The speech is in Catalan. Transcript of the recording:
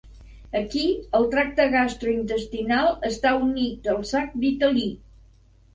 Aquí, el tracte gastrointestinal està unit al sac vitel·lí.